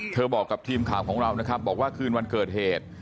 บอกกับทีมข่าวของเรานะครับบอกว่าคืนวันเกิดเหตุ